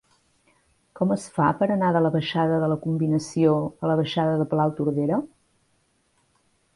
Com es fa per anar de la baixada de la Combinació a la baixada de Palautordera?